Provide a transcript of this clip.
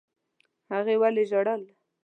هغې ولي ژړل؟